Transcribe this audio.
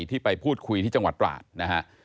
ที่ไปพูดคุยที่จังหวัดตราดนะฮะ